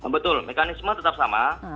betul mekanisme tetap sama